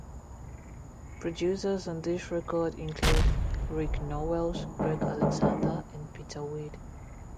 Producers on this record include Rick Nowels, Gregg Alexander and Peter Wade.